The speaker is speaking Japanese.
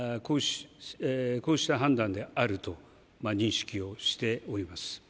こうした判断であると認識をしております。